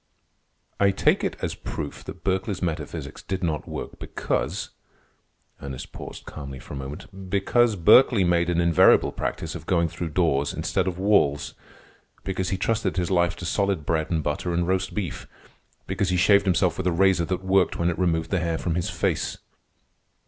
"I take it as proof that Berkeley's metaphysics did not work, because—" Ernest paused calmly for a moment. "Because Berkeley made an invariable practice of going through doors instead of walls. Because he trusted his life to solid bread and butter and roast beef. Because he shaved himself with a razor that worked when it removed the hair from his face."